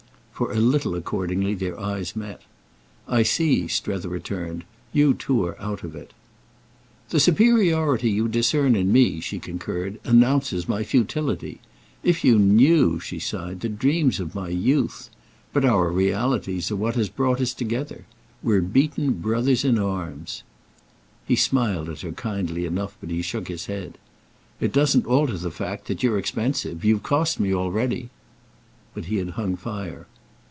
For a little accordingly their eyes met. "I see," Strether returned. "You too are out of it." "The superiority you discern in me," she concurred, "announces my futility. If you knew," she sighed, "the dreams of my youth! But our realities are what has brought us together. We're beaten brothers in arms." He smiled at her kindly enough, but he shook his head. "It doesn't alter the fact that you're expensive. You've cost me already—!" But he had hung fire.